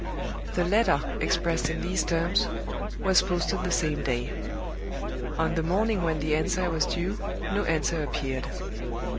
The letter, expressed in these terms, was posted the same day. On the morning when the answer was due, no answer appeared.